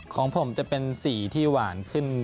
ของผมจะเป็นสีที่หวานขึ้น